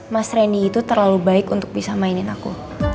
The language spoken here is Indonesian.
mas randy itu terlalu baik untuk bisa mainin aku